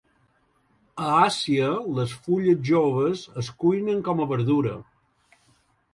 A Àsia, les fulles joves es cuinen com a verdura.